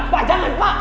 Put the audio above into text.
pak jangan pak